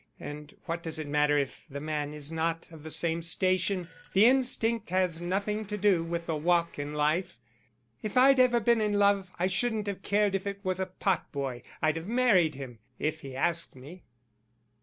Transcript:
And what does it matter if the man is not of the same station, the instinct has nothing to do with the walk in life; if I'd ever been in love I shouldn't have cared if it was a pot boy, I'd have married him if he asked me."